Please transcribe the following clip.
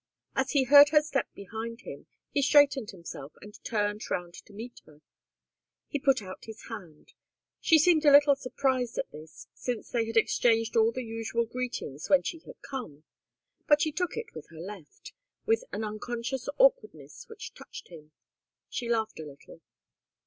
As he heard her step behind him he straightened himself and turned round to meet her. He put out his hand. She seemed a little surprised at this, since they had exchanged all the usual greetings when she had come, but she took it with her left, with an unconscious awkwardness which touched him. She laughed a little.